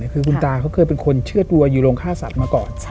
คือคุณตาเขาเคยเป็นคนเชื่อตัวยูโรงฆ่าสัตว์มาก่อน